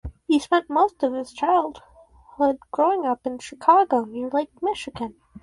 He spent most of his childhood growing up in Chicago near Lake Michigan.